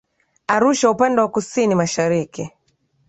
Arusha upande wa kusini mashariki